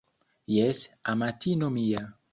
Jes, amatino mia